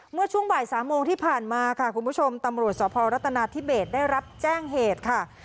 เมื่อช่วงบ่าย๓โมงที่ผ่านมาค่ะคุณผู้ชมตำรวจสพรัฐนาธิเบสได้รับแจ้งเหตุค่ะ